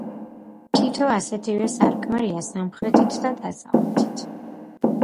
თითო ასეთივე სარკმელია სამხრეთით და დასავლეთით.